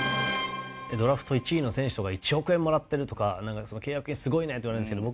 ドラフト１位の選手とか１億円もらってるとかなんか「契約金すごいね」って言われるんですけど